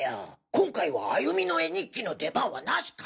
今回は歩美の絵日記の出番はなしか。